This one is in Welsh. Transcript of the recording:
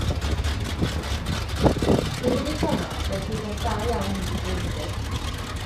Y funud honno roedd rhywbeth da iawn yn digwydd iddi.